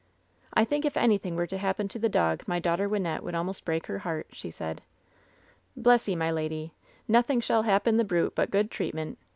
"I think if anything were to happen to the dog my daughter Wynnette would almost break her heart,'' she said. "Bless 'ee, my lady, nothing shall happen the brute but good treatment.